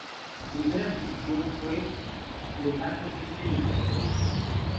Su primera adquisición fue Legato Systems, Inc.